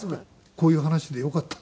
こういう話でよかったんですか？